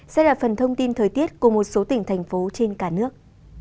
sẽ là phần thông tin thời tiết của một số tỉnh thành phố trên cả nước